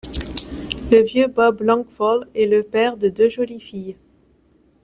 Le vieux Bob Langfall est le père de deux jolies filles.